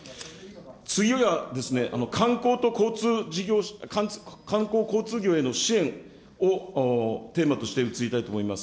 次はですね、観光と交通、観光交通業への支援をテーマとして移りたいと思います。